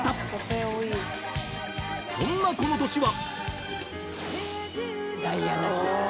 ［そんなこの年は］